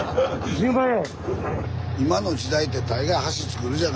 １０万円！